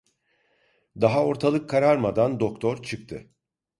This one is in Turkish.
Daha ortalık kararmadan doktor çıktı.